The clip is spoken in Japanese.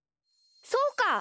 そうか！